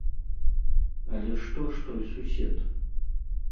Але што ж той сусед?